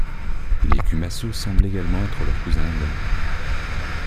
Les Kumaso semblent également être leurs cousins éloignés.